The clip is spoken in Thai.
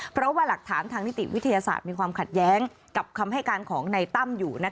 เพราะว่าหลักฐานทางนิติวิทยาศาสตร์มีความขัดแย้งกับคำให้การของในตั้มอยู่